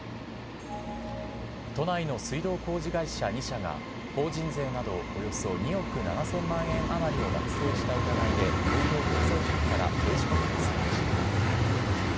都内の水道工事会社２社が、法人税などおよそ２億７０００万円余りを脱税した疑いで東京国税局から刑事告発されました。